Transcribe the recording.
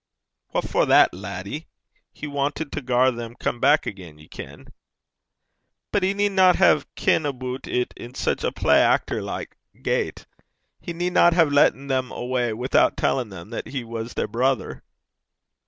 'What for that, laddie? He wanted to gar them come back again, ye ken.' 'But he needna hae gane aboot it in sic a playactor like gait. He needna hae latten them awa' ohn tellt (without telling) them that he was their brither.'